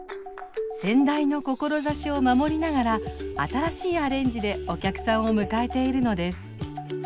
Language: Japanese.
先代の志を守りながら新しいアレンジでお客さんを迎えているのです。